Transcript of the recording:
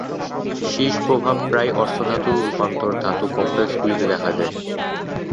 Cis প্রভাব প্রায়ই অষ্টধাতু রূপান্তর ধাতু কমপ্লেক্সগুলিতে দেখা যায়।